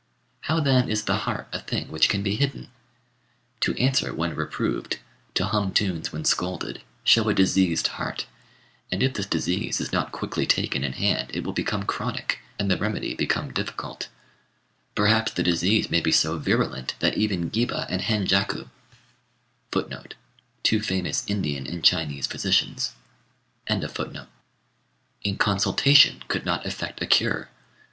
How then is the heart a thing which can be hidden? To answer when reproved, to hum tunes when scolded, show a diseased heart; and if this disease is not quickly taken in hand, it will become chronic, and the remedy become difficult: perhaps the disease may be so virulent that even Giba and Henjaku in consultation could not effect a cure.